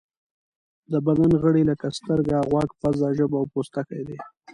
د بدن غړي لکه سترګه، غوږ، پزه، ژبه او پوستکی دي.